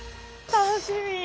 楽しみ！